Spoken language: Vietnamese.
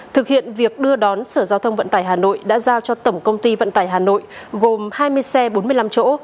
thực hiện việc đưa đón sở giao thông vận tải hà nội đã giao cho tổng công ty vận tải hà nội gồm hai mươi xe bốn mươi năm chỗ